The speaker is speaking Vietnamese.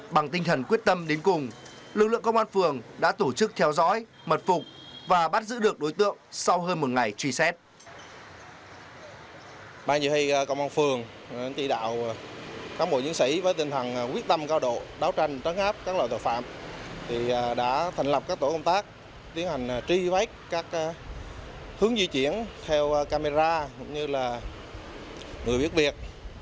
bằng tinh thần quyết tâm đến cùng lực lượng công an phường đã tổ chức theo dõi mật phục và bắt giữ được đối tượng sau hơn một ngày truy xét